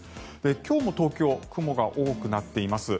今日も東京は雲が多くなっています。